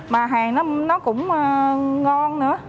mà hàng nó cũng ngon nữa